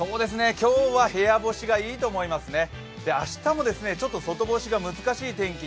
今日は部屋干しがいいと思いますね。